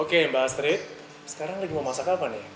oke mbak astrid sekarang lagi mau masak apa nih